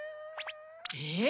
えっ？